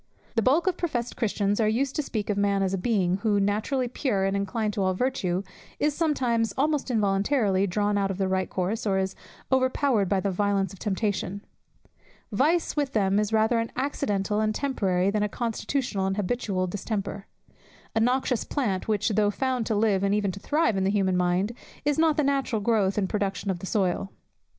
The bulk of professed Christians are used to speak of man as of a being, who, naturally pure, and inclined to all virtue, is sometimes, almost involuntary, drawn out of the right course, or is overpowered by the violence of temptation. Vice with them is rather an accidental and temporary, than a constitutional and habitual distemper; a noxious plant, which, though found to live and even to thrive in the human mind, is not the natural growth and production of the soil.